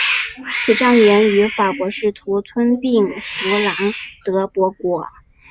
此战源于法国试图吞并弗兰德伯国。